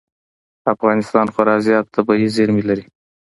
افغانستان خورا زیات طبعي زېرمې لري.